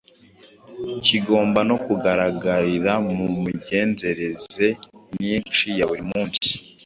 kigomba no kugaragarira mu migenzereze myinshi ya buri munsi.